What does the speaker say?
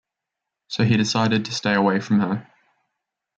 So he decided to stay away from her.